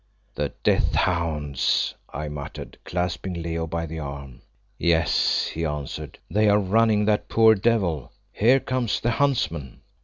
"The death hounds!" I muttered, clasping Leo by the arm. "Yes," he answered, "they are running that poor devil. Here comes the huntsman."